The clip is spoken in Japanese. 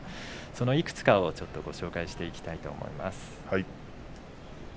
そのいくつかをご紹介していきたいと思います。